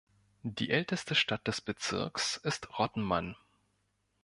Die älteste Stadt des Bezirks ist Rottenmann.